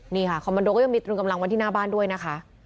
นี่ค่ะคอมมันโดก็ยังมีตรึงกำลังไว้ที่หน้าบ้านด้วยนะคะ